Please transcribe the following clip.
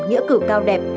nghĩa cử cao đẹp